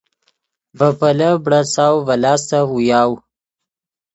ڤے پیلف بڑیڅاؤ ڤے لاستف اویاؤ